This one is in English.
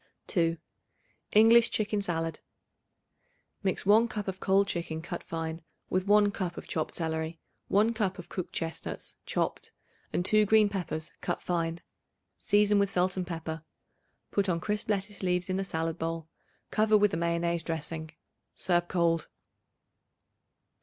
2. English Chicken Salad. Mix 1 cup of cold chicken cut fine with 1 cup of chopped celery, 1 cup of cooked chestnuts chopped and 2 green peppers cut fine. Season with salt and pepper. Put on crisp lettuce leaves in the salad bowl; cover with a mayonnaise dressing. Serve cold.